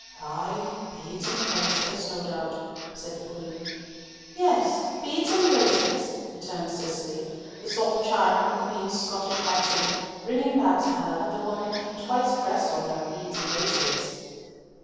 "Ay, beads and bracelets, no doubt," said the Queen. "Yes, beads and bracelets," returned Cicely, the soft chime of the Queen's Scottish accent bringing back to her that the woman had twice pressed on her beads and bracelets.